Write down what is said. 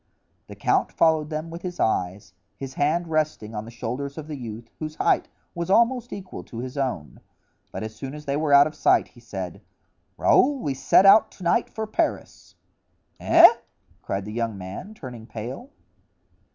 The count followed them with his eyes, his hands resting on the shoulders of the youth, whose height was almost equal to his own; but as soon as they were out of sight he said: "Raoul, we set out to night for Paris." "Eh?" cried the young man, turning pale.